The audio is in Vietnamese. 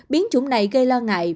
biến chủng này gây lo ngại